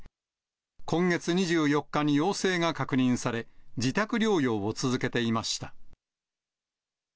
今月２４日に陽性が確認され、自宅療養を続けていました。